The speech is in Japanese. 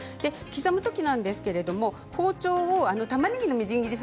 刻むときなんですけども包丁を、たまねぎのみじん切り